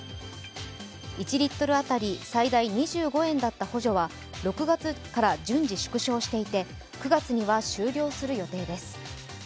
１リットル当たり最大２５円だった補助は６月から順次縮小していて９月には終了する予定です。